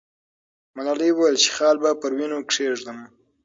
ملالۍ وویل چې خال به پر وینو کښېږدم.